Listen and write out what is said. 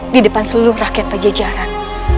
di depan seluruh rakyat pajajaran